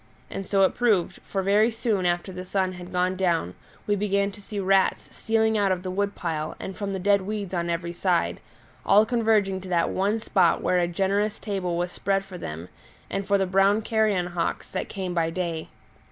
And so it proved, for very soon after the sun had gone down we began to see rats stealing out of the woodpile and from the dead weeds on every side, all converging to that one spot where a generous table was spread for them and for the brown carrion hawks that came by day.